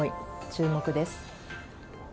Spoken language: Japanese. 注目です。